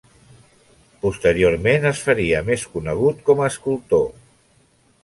Posteriorment es faria més conegut com a escultor.